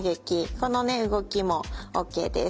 このね動きもＯＫです。